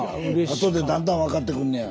後でだんだん分かってくんねや。